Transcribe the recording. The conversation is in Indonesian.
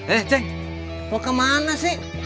eh ceng mau kemana sih